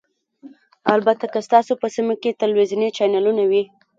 البته که ستاسو په سیمه کې تلویزیوني چینلونه وي